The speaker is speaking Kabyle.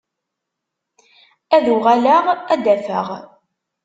Ad uɣaleɣ ad d-afeɣ.